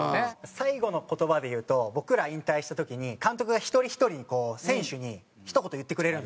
最後の言葉でいうと僕ら引退した時に監督が一人ひとりにこう選手にひと言言ってくれるんですよ。